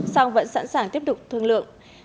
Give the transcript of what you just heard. song vẫn sẵn sàng tiếp tục thương lượng